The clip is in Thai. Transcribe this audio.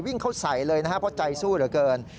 วิ่งเข้าใส่เลยนะครับเพราะใจสู้เหลือเกิน